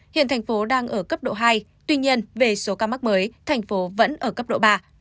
hiện thành phố đang ở cấp độ hai tuy nhiên về số ca mắc mới thành phố vẫn ở cấp độ ba